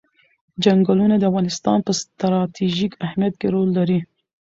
چنګلونه د افغانستان په ستراتیژیک اهمیت کې رول لري.